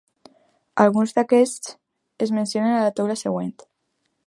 Alguns d'aquests es mencionen a la taula següent.